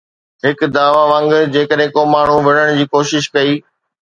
هڪ دعوي وانگر جيڪڏهن ڪو ماڻهو وڙهڻ جي ڪوشش ڪئي